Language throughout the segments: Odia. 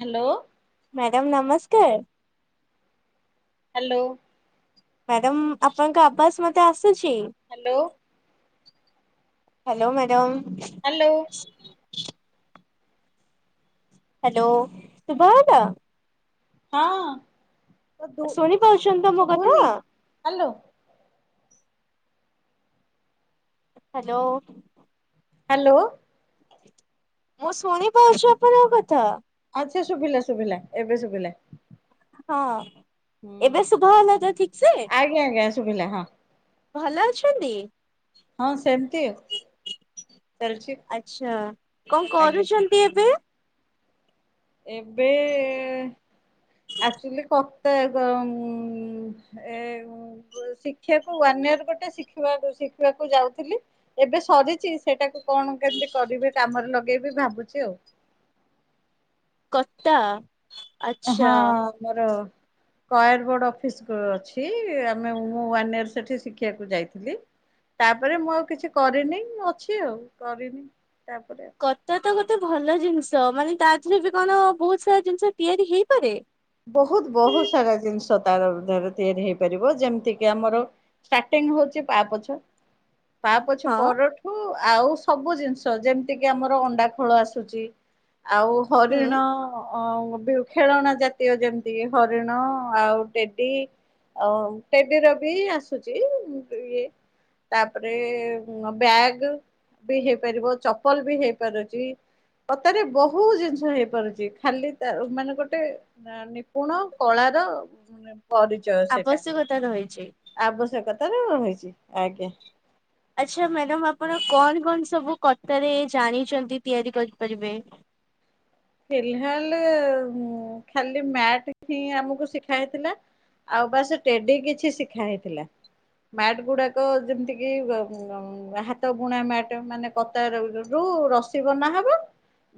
ହେଲୋ। ମ୍ୟାଡ଼ମ ନମସ୍କାର। ହେଲୋ। ମ୍ୟାଡ଼ାମ ଆପଣଙ୍କ ଆବାଜ ମତେ ଆସୁଛି। Hello. Hello madam. Hello. Hello ସୁଭାଗଲା? ହଁ। ତ ଶୁଣି ପାରୁଛନ୍ତି ତ ମୋ କଥା? ହାଲୋ। ହାଲୋ। ହାଲୋ। ମୁଁ ଶୁଣି ପାରୁଛି ଆପଣଙ୍କ କଥା। ଆଚ୍ଛା ଶୁଭିଲା ଶୁଭିଲା ଏବେ ଶୁଭିଲା। ହଁ, ହୁଁ ଏବେ ଶୁଭାଗଲା ତ ଠିକ ସେ? ଆଜ୍ଞା ଆଜ୍ଞା ଶୁଭିଲା ହଁ ଭଲ ଅଛନ୍ତି? ହଁ ସେମିତି ଆଉ ଚାଲିଛି ଆଛା କଣ ଆଜ୍ଞା କରୁଛ ନ୍ତି ଏବେ? ଏବେ ଆକ୍ଟୁଆଲି କ ତ ଏ। [unintelligible] ଶିଖିବାକୁ ୱାନ ଇୟର ଗୋଟେ ଶିଖିବା ଶିଖିବାକୁ ଯାଉଥିଲି। ଏବେ ସରିଛି ସେଇଟାକୁ କଣ କେମିତି କରିବି କାମରେ ଲଗେଇବି ଭାବୁଛି ଆଉ। କତା। ହଁ ଆଚ୍ଛା ମୋର କଏର ବୋର୍ଡ ଅଫିସ ଅଛି ଆମେ ମୁଁ ୱାନ ଇଅର ସେଠି ଶିଖିବାକୁ ଯାଇଥିଲି। ତାପରେ ମୁଁ ଆଉ କିଛି କରିନି ଅଛି ଆଉ କରିନି ତାପରେ। କତା ତ ଗୋଟେ ଭଲ ଜିନିଷ ମାନେ ତା ଦେହରେ ବି କଣ ବହୁତ ସାରା ଜିନିଷ ତିଆରି ହେଇପାରେ। ବହୁତ ବହୁତ ସାରା ଜିନିଷ। ତାରେ ତିଆରି ହେଇପାରିବ ଯେମିତି କି ଆମର ଷ୍ଟାର୍ଟିଂ ହଉଛି ପାପୋଛ। ପା ପୋଛ ହଁ ପରଠୁ ଠୁ ଆଉ ସବୁ ଜିନିଷ ଯେମିତି କିି ଆମର ଅଣ୍ଡା ଖୋଳ ଆସୁଛି ଆଉ ହୁଁ ହରିଣ ଖେଳନା ଯାତ ଜାତୀୟ ଯେମିତି ହରିଣ ଆଉ ଟେଡି ଆଉ ଟେଡିର ବି ଆସୁଛି ଇଏ। ତାପରେ ବ୍ୟାଗ। ବି ହେଇପାରିବ ଚପଲ ବି ହେଇପାରୁଛି। କତାରେ ବହୁତ ଜିନିଷ ହେଇପାରୁଛି ଖାଲି ତା ମାନେ ଗୋଟେ। ତା ନିପୁଣ କଳାର ପରିଚୟ ସେଇଟା। ଆବଶ୍ୟକତା ରହିଛି ଆବଶ୍ୟକତା ର ହୋଇଛି ଆଜ୍ଞା। ଆଚ୍ଛା ମ୍ୟାଡାମ ଆପଣ କଣ କଣ ସବୁ କତାରେ ଜାଣିଛନ୍ତି ତିଆରି କରିପାରିବେ? ଫିଲାଲ ଖାଲି ମ୍ୟାଟ ହିଁ ଆମକୁ ଶିଖା ହେଇଥିଲା। ଆଉ ବାସ ଟେଡି କିଛି ଶିଖା ହେଇଥିଲା। ମ୍ୟାଟ ଗୁଡାକ ଯେମିତି କିି ହାତ ବୁଣା ମ୍ୟାଟ ମାନେ କତା ରୁ ରସି ବନା ହେବ।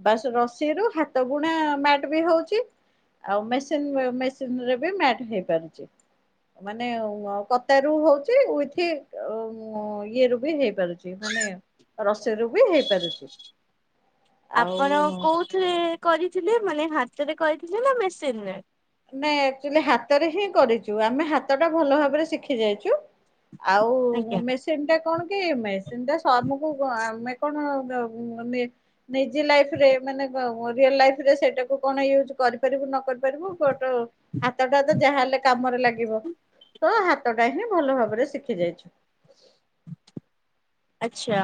ବାସ ରସି ରୁ ହାତ ବୁଣା ମ୍ୟାଟ ବି ହଉଛି। ଆଉ ମେସିନି ମେସିନରେ ବି ମ୍ୟାଟ ହେଇପାରୁଛି। ମାନେ କତାରୁ ହଉଛି ୱିଥ। ଓ ଇଏ ରୁ ବି ହେଇପାରୁଛି ମାନେ ରସି ରୁ ବି ହେଇପାରୁଛି। ଆଉ ଆପଣ କୋଉଥିରେ କରିଥିଲେ ମାନେ ହାତରେ କରିଥିଲେ ନା ମେସିନ ରେ? ନାହିଁ ଆକ୍ଟୁଆଲି ହାତରେ ହିଁ କରିଛୁ ଆମେ ହାତଟା ଭଲ ଭାବରେ ଶିଖି ଯାଇଛୁ। ଆଉ ଆଜ୍ଞା ମେସ ସିନ ଟା କଣ କି ମେସିନ ଟା ସର୍ମକୁ ଆମେ କଣ ଗ ମାନେ। ନିଜି ଲାଇଫ ରେ ମାନେ କଁ ରିଅଲ ଲାଇଫ ରେ ସେଇଟାକୁ କଣ ୟୁଜ କରିପାରିବୁ ନ କରିପାରିବୁ। ଟୋ ହାତଟା ତ ଯାହା ହେଲେ କାମରେ ଲାଗିବ। ତ ହାତଟା ହିଁ ଭଲ ଭାବରେ ଶିଖି ଯାଇଛୁ। ଆଚ୍ଛା।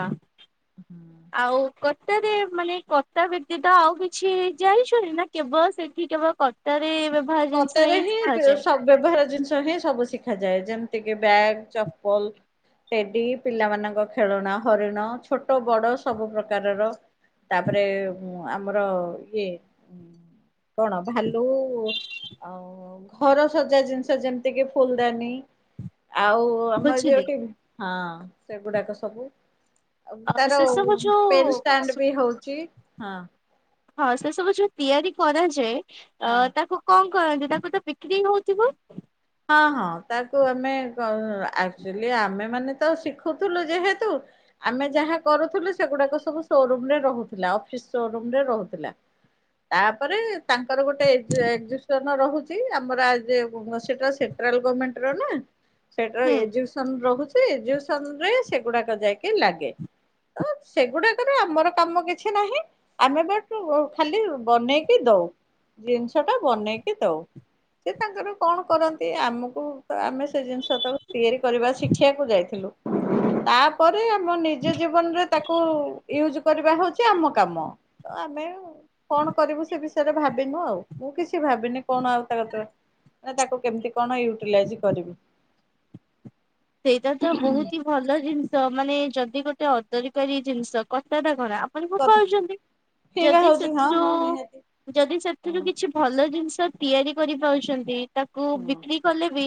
ହୁଁ। ଆଉ କତାରେ ମାନେ କତା ବ୍ୟତିତ ଆଉ କିଛି ଜାଣିଛନ୍ତି ନା କେବଳ ସେଠି କେବଳ କତା। ହାତରେ ବେବ୍ କତାରେ ହିଁ ବେ ସବୁ। ବ୍ୟବହାର ଜିନିଷ ହିଁ ସବୁ ଶିଖାଯାଏ ଯେମିତିକି ବ୍ୟାଗ ଚପଲ। ଟେଡି ପିଲା ମାନଙ୍କ ଖେଳଣା ହରିଣ ଛୋଟ ବଡ ସବୁ ପ୍ରକାରର। ତାପରେ ଆମର ଇଏ କଣ ଭାଲୁ। ଆଉ ଘର ସଜା ଜିନିଷ ଯେମିତିକି ଫୁଲଦାନୀ ଆଉ। ଓ ଆମ ଏରିଆ ବୁଝିଲି। ଟିମ୍ ହଁ ସେଗୁଡାକ ସବୁ। ଆଉ ଅ ତାର ସେ ଉଁ ସବୁ ଯୋଉ ପେନ ଷ୍ଟାଣ୍ଡ ବି ହଉଛି ହଁ। ହଁ ସେ ସବୁ ଯୋଉ ତିଆରି କରାଯାଏ ଅ ହଁ ତାକୁ। କଣ କରନ୍ତି ତାକୁ ତ ବିକ୍ରି ହଉଥିବ। ହଁ ହଁ ତାକୁ ଆମେ କ ଆକ୍ଚୁଲି ଆମେ ମାନେ ତ ଶିଖୁଥିଲୁ ଯେହେତୁ। ଆମେ ଯାହା କରୁଥିଲୁ ସେଗୁଡାକ ସବୁ ସୋରୁମରେ ରହୁଥିଲା ଅଫିସ ସୋରୁମ ରେ ରହୁଥିଲା। ତାପରେ ତାଙ୍କର ଗୋଟେ ଏଜି ଏକ୍ଜିିବିସନ ରହୁଛି ଆମର ଆ ଯେ ଗୋ ସେଟା ସେ ସେଣ୍ଟ୍ରାଲ ଗମେଣ୍ଟ ର ନା ସେଟା ର ହୁଁ। ଏକ୍ଜି ବେସନ ରହୁଛି ଏକ୍ଜିବେସନ ରେ ସେଗୁଡାକ ଯାଇକି ଲାଗେ। ତ ସେଗୁଡାକ ରେ ଆମର କାମ କିଛି ନାହିଁ। ଆମେ ବଟ୍ ଓ ଖାଲି ବନେଇକି ଦଉ ଜିନିଷ ଟା ବନେଇକି ଦଉ। ସିଏ ତାଙ୍କର କଣ କରନ୍ତି। ସେ ଆମକୁ ଆମେ ସେ ଜିନିଷ‌ଟାକୁ ତିଆରି କରିବା ଶିଖିବାକୁ ଯାଇଥିଲୁ ତାପ୍ ପରେ ଆମ ନିଜ ଜୀବନରେ ତାକୁ ୟୁଜ କରିବା ହଉଚି ଆମ କାମ। ତ ଆମେ କଣ କରିବୁ ସେ ବିଷୟରେ ଭାବିନୁ ଆଉ ମୁଁ କିଛି ଭାବିନି କଣ ଆଉ ତା ର। ମାନେ ତାକୁ କେମିତି କଣ ୟୁଟିଲାଇଜି କରିବି। ସେଇଟା ତ ବହୁତ ହି ଭଲ ଜିନିଷ ମାନେ ଯଦି ଗୋଟେ ଅଦରିକାରୀ ଜିନିଷ କତା ଟା କଣ। ମାନେ କଥା ପୋପାଡୁ ଛନ୍ତି ଫିଙ୍ଗା ଯଦି ହଉଛି ହଁ ସେଥିରୁ ହଁ ନିହାତି। ଯଦି ସେଥିରୁ ହୁଁ କିଛି। ଭଲ ଜିନିଷ ତିଆରି କରି ପାରୁଛନ୍ତି। ତାକୁ ହୁଁ ବିକ୍ରି କଲେ ବି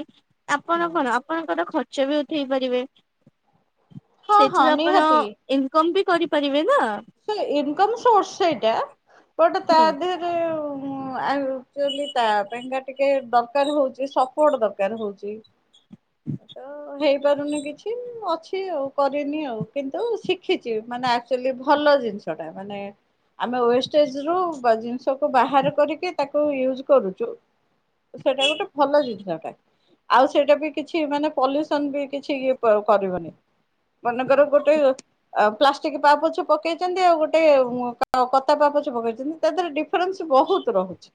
ହୁଁ। ଆପଣ କଣ ଆପଣଙ୍କର ଖ ଖର୍ଚ ବି ଉଠେଇ ପାରିବେ ହଁ ହଁ ସେଇଥିରୁ ଆପଣ। ନିହାତି ଇନକମ ବି କରିପାରିବେ ନା। ସେ ଇନକମ୍ ସୋର୍ସ ସେଇଟା ବଟ ତା ହୁଁ ଦେହେ ହଁ ଆଉ ଆକଚୁଆଲି ତା ପାଇଁକା ଟିକେ ଦରକାର ହଉଚି ସପୋର୍ଟ ଦରକାର ହଉଚି। ତ ହେଇପାରୁନି କିଛି। ଅଛି ଆଉ କରିନି ଆଉ କିନ୍ତୁ ଶିଖିଛି ମାନେ ଆକଚୁଲି ଭ ଭଲ ଜିନିଷ ଟା ମାନେ ଆମେ ୱେଷ୍ଟେଜ ରୁ ବା ଜିନିଷକୁ ବାହାର କରିକି। ତାକୁ ୟୁଜ କରୁଚୁ ତ ସେଇଟା ଗୋଟେ ଭଲ ଜିନିଷଟା। ଆଉ ସେଇଟା ବି କିଛି ମାନେ ପଲ୍ୟୁସନ ବି କିଛି ଇଏ ପ କରିବନି। ମନେକର ଗୋଟେ ଆ ପ୍ଲାଷ୍ଟିକ ପା ପୋଛ। ପକେଇଚନ୍ତି ଆଉ ଗୋଟେ ଅଁ କ କତା ପା ପୋଛ ପକେଇଚନ୍ତି ତା ଦିହରେ ଡିଫରେନ୍ସ ବହୁତ ରହୁଛି।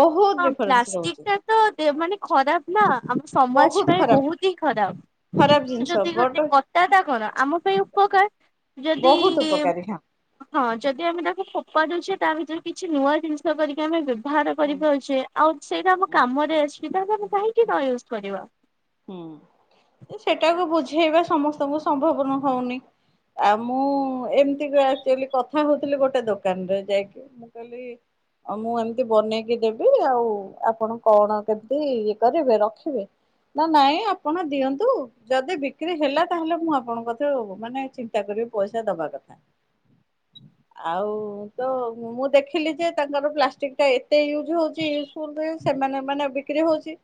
ବହୁତ ହଁ ଡିଫରେନ୍ସ ରହୁଛି ପ୍ଲାଷ୍ଟିକ ଟା ତ ମାନେ ଖରାପ ନା ଆମ ସମାଜ ବହୁତ ପାଇଁ ଖରାପ ବହୁତ ହି ଖରାପ। କିନ୍ତୁ ଜିନିଷ ଯଦି ବଟ ଗୋଟେ କଟାଟା କଣ ଆମ ପାଇଁ ଉପକାର ଯଦି ବହୁତ ଉପକାରୀ ହଁ। ହଁ ଯଦି ଆମେ ତାକୁ ଫୋପାରି ଜଉଛେ ତା ଭିତରୁ କିଛି ନୂଆ ଜିନିଷ କରିକି ଆମେ ବ୍ୟବହାର କରିପାରୁ ଆଉ ସେଇଟା ଆମ କାମରେ ଅସୁଛି ତାଲେ ଆମେ କାହିଁକି ନ ୟୁଜ କରିବା। ହୁଁ ଏ ସେଟାକୁ ବୁଝେଇବା ସମସ୍ତଙ୍କୁ ସମ୍ଭବ ନ ହଉନି। ଆଉ ମୁଁ ଏମିତି ଆକଚୁଆଲି କଥା ହଉଥିଲି ଗୋଟେ ଦୋକାନରେ ଯାଇକି କିଏ। ଆଉ ମୁଁ ଏମିତି ବନେଇକି ଦେବି ଆଉ ଆପଣ କଣ କେମିତି ଇଏ କରିବେ ରଖିବେ। ନା ନାଇଁ ଆପଣ ଦିଅନ୍ତୁ ଯଦି ବିକ୍ରି ହେଲା ତାହେଲେ ମୁଁ ଆପଣଙ୍କୁ କତି ମାନେ ଚି ଚିନ୍ତା କରିବି ପଇସା ଦବା କଥା। [inaudible] ଆଉ ତ ମୁଁ ଦେଖିଲି ଯେ ତାଙ୍କର ପ୍ଲାଷ୍ଟିକ ଟା ଏତେ ୟୁଜ୍ ହଉଚି ପୁନ୍‌ ବେ ସେମାନେ ମାନେ ବିକ୍ରି ହଉଛି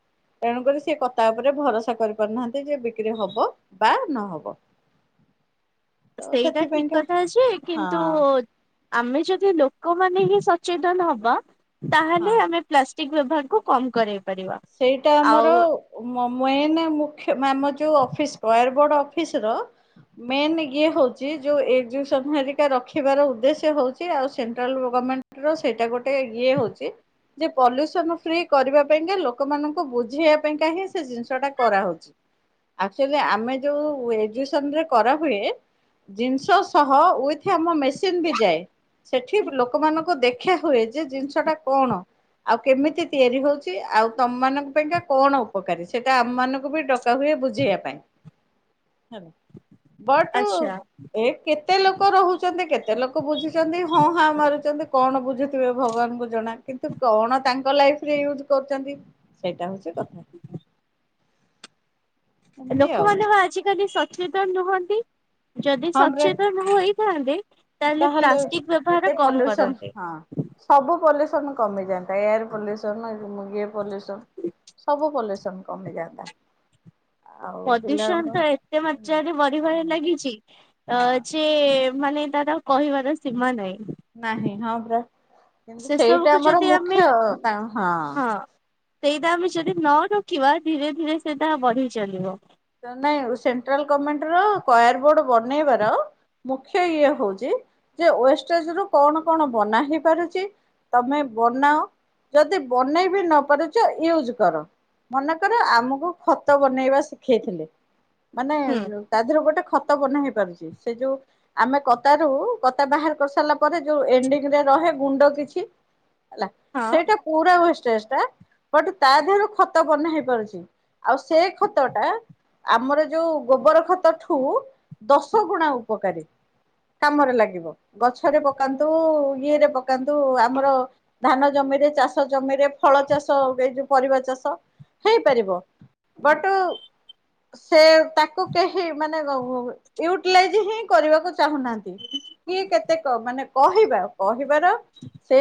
ତେଣୁକରି ସେ କ ତା ଉପରେ ଭରସା କରିପାରୁନାହାନ୍ତି ଯେ ବିକ୍ରି ହବ ବା ନହବ। ତ ସେଇଟା ଠିକ୍ ସେଥିପାଇଁକା କଥା ଯେ ହଁ କିନ୍ତୁ ଆମେ ଯଦି ଲୋକମାନେ ହିଁ ସଚେତନ ହବା ହଁ ତାହେଲେ ଆମେ ପ୍ଲାଷ୍ଟିକ୍ ବ୍ୟବହାରକୁ କମ୍ କରେ ସେଇଟା ଆମର ମ ମ ମେନେ ମୁଖ୍ୟ ଆମ ଯୋଉ ଅଫିସାର ରୟାର ବୋର୍ଡ ଅଫିସ ର ମେନ୍ ଇଏ ହଉଛି ଯେଉଁ ଏଜୁକସନ ହେରିକା ରଖିବାର ଉଦ୍ଦେଶ୍ୟ ହଉଛି ଆଉ ସେଣ୍ଟ୍ରାଲ୍ ଗମେଣ୍ଟ ସେଇଟା ଗୋଟେ ଇଏ ହଉଛି ଯେ ପଲ୍ୟୁସନ ଫ୍ରି କରିବା ପାଇଁକା ଲୋକ ଲୋକମାନଙ୍କୁ ବୁଝେଇବା ପାଇଁ କା ହିଁ ସେ ଜିନିଷ ଟା କରାହଉଛି। ଆକଚୁଆଲି ଆମେ ଯୋଉ ଏଜୁସନରେ କରାହୁଏ ଜିନିଷ ସହ ୱିଥ ଆମ ମେସିନ ବି ଯାଏ। ସେଠି ଲୋକମାନଙ୍କୁ ଦେଖା ହୁଏ ଯେ ଜିନିଷ ଟା କଣ। ଆଉ କେମିତି ତିଆରି ହଉଛି ଆଉ ତମମାନଙ୍କ ପାଇଁକା କଣ ଉପକାରୀ ସେଟା ଆମମାନଙ୍କୁ ବି ଡକା ହୁଏ ବୁଝେଇବା ପାଇଁ। ହ ବଟୁ। ଆଚ୍ଛା ଏ କେତେ ଲୋକ ରହୁଚନ୍ତି କେତେ ଲୋକ ବୁଝୁଚନ୍ତି ହଁ ହାଁ ମାରୁଚନ୍ତି କଣ ବୁଝୁଥିବେ ଭଗବାନଙ୍କୁ ଜଣା। କିନ୍ତୁ କଣ ତାଙ୍କ ଲାଇଫରେ ୟୁଜ କରୁଚନ୍ତି ସେଇଟା ହଉଛି କଥା। ଏମିତି ଲୋକ ଆଉ ମାନେ ପା ଆଜିକାଲି ସଚେତନ ନୁହନ୍ତି। ଯଦି ହଁ ପରା ସଚେତନ ହୋଇଥାନ୍ତେ ତାହେଲେ ପ୍ଲାଷ୍ଟିକ ଏତେ ବ୍ୟବହାର କମ ପଲ୍ୟୁସନ କରନ୍ତେ। ହଁ। ସବୁ ପଲ୍ୟୁସନ କମିଯାନ୍ତା ଏୟାର ପଲ୍ୟୁସନ ଇଏ ପଲ୍ୟୁସନ। ସବୁ ପଲ୍ୟୁସନ କମି ଯାଆନ୍ତା। ପ୍ରଦୂଷଣ ଟା ଏତେ ମାତ୍ରାରେ ବଢିବାରେ ଲାଗିଛି ଅ ଯେ ହଁ ସେ ମାନେ ତାର କହିବାର ସୀମା ନାହିଁ। ନାହିଁ ହଁ ପରା କିନ୍ତୁ ସେ ସେଇଟା ସବୁକୁ ଆମର ଯଦି ଆମେ ମୁଖ୍ୟ ହଁ। ହଁ ସେଇଟା ଆମେ ଯଦି ନ ରୋକିବା ଧୀରେ ଧୀରେ ସେଇଟା ବଢିଚାଲିବ। ନାଇଁ ସେଣ୍ଟ୍ରାଲ ଗଭର୍ଣ୍ଣମେଣ୍ଟ ର କୟାର ବୋର୍ଡ ବନେଇବାର ମୁଖ୍ୟ ଇଏ ହଉଛି ଯେ ୱେଷ୍ଟଜ ରୁ କଣ କଣ ବନା ହେଇପାରୁଛି ତମେ ବନାଅ ଯଦି ବନେଇ ବି ନ ପାରୁଛ ୟୁଜ କର। ମନେକର ଆମକୁ ଖତ ବନେଇବା ଶିଖେଇଥିଲେ ମାନେ ହୁଁ ତା ଦେହରେ ଗୋଟେ ଖତ ବନା ହେଇ ପାରୁଛି ସେ ଯୋଉ ଆମେ କତା ରୁ କତା ବାହାର କରି ସାରିଲା ପରେ ଯୋଉ ଏଣ୍ଡିଙ୍ଗ ରେ ରହେ ଗୁଣ୍ଡ କିଛି ହେଲା ହଁ ସେଇଟା ପୁରା ୱଷ୍ଟେଜ୍ଟା ହେଟୁ ତାଦେହରୁ ଖତକନେ ହେଇ ପାରୁଚି ଆଉ ସେଇ ଖତ ଟା ଆମର ଯୋଉ ଗୋବର ଖତଠୁ ଦଶ ଗୁଣା ଉପକାରୀ କାମରେ ଲାଗିବ ଗଛରେ ପକାନ୍ତୁ ଇଏରେ ପକାନ୍ତୁ ଆମର ଧାନ ଜମିରେ, ଚାଷ ଜମିରେ ଫଳ ଚାଷହୁଏ ଏଯୋଉ ପରିବା ଚାଷ ହେଇପାରିବ। ବଟୁ ସେ ତାକୁ କେହି ମାନେ ୟୁଟିଲାଇଜ୍ ହିଁ କରିବାକୁ ଚାହୁଁନାହାନ୍ତି। କିଏ କେତେ କମ୍ ମାନେ କହିବା କହିବାର ସେ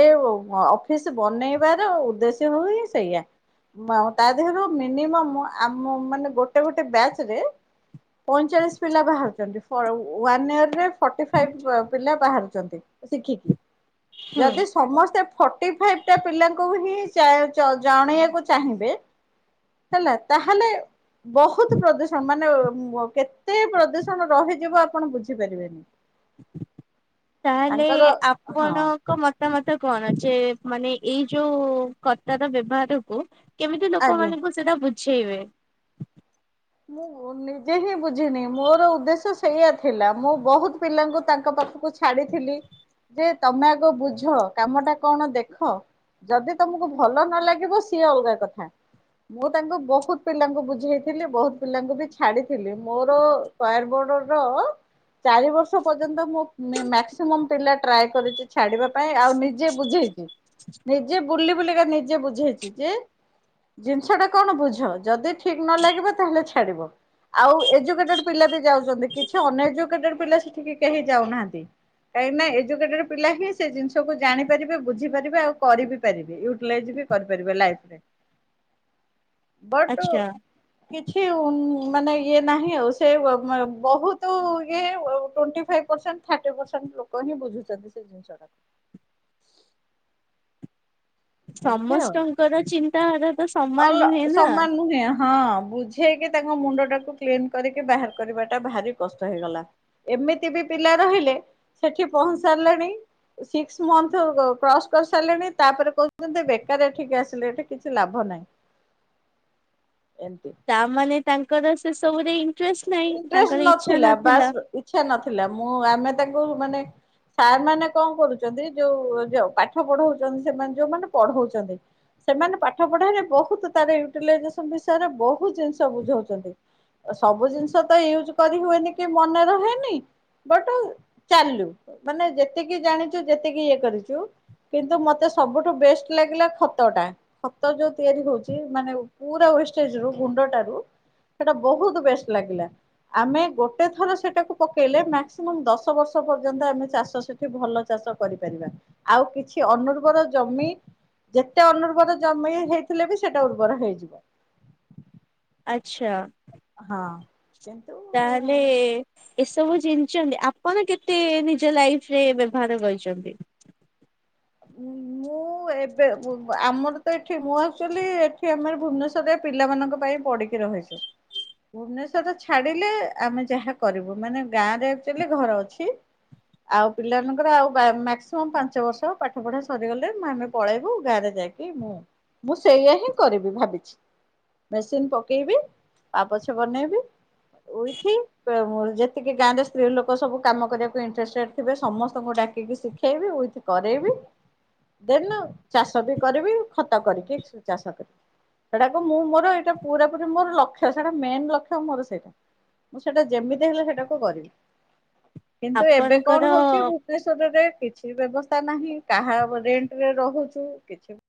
ଅଫିସ୍ ବନେଇବାର ଉଦ୍ଦେଶ୍ୟ ହୁଏ ସେଇଆ। ତା ଦେହରୁ ମିନିମମ୍ ଆମ ମାନେ ଗୋଟେ ଗୋଟେ ବ୍ୟାଚରେ ପଇଁଚାଳିଶି ପିଲା ବାହାରୁଚନ୍ତି ଫୋର ୱାନ ଇୟରରେ ଫର୍ଟି ଫାଇଭ୍ ପିଲା ବାହାରୁଚନ୍ତି। ଶିଖିକି ହୁଁ ଯଦି ସମସ୍ତେ ଫର୍ଟି ଫାଇଭଟା ପିଲାଙ୍କୁ ହିଁ ଚା ଚ ଜଣେଇବାକୁ ଚାହିଁବେ ହେଲା ତାହେଲେ ବହୁତ ପ୍ରଦୂଷଣ ମାନେ କେତେ ପ୍ରଦୂଷଣ ରହିଯିବ ଆପଣ ବୁଝିପାରିବେନି। ହୁଁ। ତାହେଲେ ହଁ ଆପଣ ଙ୍କ ମତାମତ କଣ ଯେ ମାନେ ଏଇ ଯୋଉ କତାର ବ୍ୟବହାରକୁ କେମିତି ଆଜ୍ଞା। ଲୋକମାନଙ୍କୁ ସେଟା ବୁଝେଇବେ? ମୁଁ ନିଜେ ହିଁ ବୁଝିନି ମୋର ଉଦ୍ଦେଶ୍ୟ ସେଇଆ ଥିଲା ମୁଁ ବହୁତ୍ ପିଲାଙ୍କୁ ତାଙ୍କ ପାଖକୁ ଛାଡ଼ିଥିଲି ଯେ ତମେ ଆଗ ବୁଝ କାମଟା କଣ ଦେଖ ଯଦି ତମକୁ ଭଲ ନଲାଗିବ ସିଏ ଅଲଗା କଥା। ମୁଁ ତାଙ୍କୁ ବହୁତ୍ ପିଲାଙ୍କୁ ବୁଝେଇଥିଲି ବହୁତ୍ ପିଲାଙ୍କୁବି ଛାଡ଼ିଥିଲି ମୋର କ୍ୟାର୍ ବୋର୍ଡର ଚାରି ବର୍ଷ ପର୍ଯ୍ୟନ୍ତ ମୁଁ ମାକ୍ସିମମ୍ ପିଲା ଟ୍ରାଏ କରିଚି ଛାଡ଼ିବା ପାଇଁ ଆଉ ନିଜେ ବୁଝେଇଚି। ନିଜେ ବୁଲି ବୁଲିକା ନିଜେ ବୁଝେଇଚି ଯେ ଜିନିଷଟା କଣ ବୁଝ ଯଦି ଠି ଠିକ୍ ନଳଲାଗିବ ତାହେଲେ ଛାଡ଼ିବ। ଆଉ ଏୁଯୁକେଟଡ ପିଲାବି ଯାଉଚନ୍ତି କିଛି ଅନେଇଯୁକେଟି ପିଲା ସେଠି କେହି ଯାଉନାହାନ୍ତି। କାହିଁକିନା ଏଜୁକେଟେଡ ପିଲାହିଁ ସେଜିନିଷକୁ ଜାଣିପାରିବେ ବୁଝି ପାରିବେ ଆଉ କରିି ପାରିବେ ୟୁଟିଲାଇଜବି କରିପାରିବେ ଲାଇଫ୍ରେ। [inaudible] ବଟ୍ ଆଚ୍ଛା କିୟୁ ମାନେ ଇଏ ନାହିଁ ଆଉ ସେ ଵ ବହୁତ୍ ଇଏ twenty five percent. Thirty percent ଲୋକହିଁ ବୁଝୁଚନ୍ତି ସେଜିନିଷଟାକୁ। ଏମିତି ଆଉ। ସମସ୍ତଙ୍କର ଚିନ୍ତାଧାରାତ ସମାନ ଅଲ ନୁହେଁ ନା। ସମାନ ହଁ ବୁଝି ଠେଇକି ତାଙ୍କ ମୁଣ୍ଡ ଟାକୁ କ୍ଲିନ କରିକି ବାହାର କରିବାଟା ଭାରି କଷ୍ଟ ହେଇଗଲା। ଏମିତିବି ପିଲା ରହିଲେ ସେଠି ପହ ସାରିଲେଣି ସିକ୍ସ ମନ୍ଥ କ୍ରସ କରିସାରିଲେଣି ତାପରେ କହୁଚନ୍ତି ବେକାର ଏଠିକି ଆସିଲେ ଏଠି କିଛି ଲାଭ ନାହିଁ। ଏମିତି। ତାମାନେ ତାଙ୍କର ସେସବୁରେ ଇଣ୍ଟରେଷ୍ଟ ନାହିଁ ଇଣ୍ଟରେଷ୍ଟ ତାଙ୍କର ଇଚ୍ଛା ବାସ୍ ନଥିଲା। ଇଚ୍ଛା ନଥିଲା ମୁଁ ଆମେ ତାଙ୍କୁ ମାନେ ସାର୍ କଣ କରୁଚନ୍ତି ଯୋଉ ଯଉ ପାଠ ପଢଉଚନ୍ତି ସେମାନେ ଯୋଉମାନେ ପଢଉଚନ୍ତି। ସେମାନେ ପାଠ ପଢାରେ ବହୁତ ତାର ୟୁଟିଲାଇଜେସନ ବିଷୟରେ ବହୁତ ଜିନିଷ ବୁଝଉଚନ୍ତି। ସବୁ ଜିନିଷ ତ ୟୁଜ କରି ହୁଏନି କି ମନେ ରୁହେନି ବଟ ଚାଲୁ ମାନେ ଯେତିକି ଜାଣିଚୁ ଯେତିକି ଇଏ କରିଚୁ କିନ୍ତୁ ମୋତେ ସବୁଠୁ ବେଷ୍ଟ ଲାଗିଲା ଖତ ଟା। ଖତ ଯୋଉ ତିଆରି ହଉଚି ମାନେ ପୁରା ୱେଷ୍ଟେଜ ରୁ ଗୁଣ୍ଡ ଟାରୁ ସେଇଟା ବହୁତ ବେଷ୍ଟ ଲାଗିଲା। ଆମେ ଗୋଟେ ଥର ସେଟାକୁ ପକେଇଲେ ମାକ୍ସିମମ୍ ଦଶ ବର୍ଷ ପର୍ଯ୍ୟନ୍ତ ଆମେ ଚାଷ ସେ ଠି ଭଲ ଚାଷ କରିପାରିବା। ଆଉ କିଛି ଅନର୍ବର ଜମି ଯେତେ ଅନୁର୍ବର ଜମି ହେଇଥିଲେ ବି ସେଟା ଉର୍ବର ହେଇଯିବ। ଆଚ୍ଛା। ହଁ। କିନ୍ତୁ [unintelligible] ଏସବୁ ଜିନଚନ୍ତି ଆପଣ କେତେ ନିଜ ଲାଇଫ ରେ ବ୍ୟବହାର କରିଚନ୍ତି? ମୁଁ ମୁଁ ଏବେ ଉବ ଆମର ତ ଏଠି ମୁଁ ଆଚୁଆଲି ଏଠି ଆମର ଭୁବନେଶ୍ୱର ରେ ପିଲାମାନଙ୍କ ପାଇଁ ପଢ଼ିକି ରହିଚି। ଭୁବନେଶ୍ଵରରେ ଛାଡିଲେ ଆମେ ଯାହା କରିବୁ ମାନେ ଗାଁ ରେ ଆଚୁଲି ଘର ଅଛି। ଆଉ ପିଲାମାନଙ୍କର ଆଉ ମାକ୍ସିମମ୍ ପାଞ୍ଚ ବର୍ଷ ପାଠ ପଢା ସରିଗଲେ ଆମେ ପଳେଇବୁ। ଗାଁରେ ଯାଇକି ମୁଁ ମୁଁ ସେଇଆ ହିଁ କରିବି ଭାବିଚି। ମେସିନ୍ ପକେଇବି ପାପୋଛ ବନେଇବି ଉଇଥି ଯେ ତିକି ଗାଁରେ ସ୍ତ୍ରୀ ଲୋକ ସବୁ କାମ କରିବାକୁ ଇଣ୍ଟରେଷ୍ଟେଡ଼୍ ଥିବେ ସମସ୍ତଙ୍କୁ ଡାକିକି ଶିଖେଇବି ଉଇଥି କରେଇବି। ଦେନ ଚାଷ ବି କରିବି ଖତ କରିକି ଚାଷ କରିବି। ସେଇଟାକୁ ମୁଁ ମୋର ଏଇଟା ପୁରାପୁରି ମୋର ଲକ୍ଷ୍ୟ ସେଟା ମେନ ଲକ୍ଷ୍ୟ ମୋର ସେଇଟା। ମୁଁ ସେଟା ଯେମିତି ହେଲେ ସେଟାକୁ କରିବି। କିନ୍ତୁ ଏବେ କଣ ଆପଣଙ୍କର ହଉଚି ଭୁବନେଶ୍ୱରରେ କିଛି ବ୍ୟବସ୍ଥା ନାହିଁ କାହା ରେଣ୍ଟରେ ରହୁଛୁ କିଛି